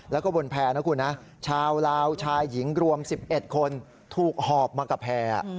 แล้วก็บนแพร่นะคุณนะชาวลาวชายหญิงรวม๑๑คนถูกหอบมากับแพร่